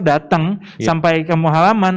datang sampai ke muhalaman